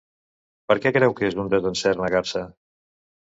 Per què creu que és un desencert negar-se?